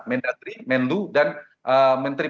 mendatri mendu dan menteri